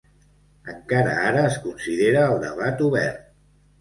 Encara ara es considera el debat obert.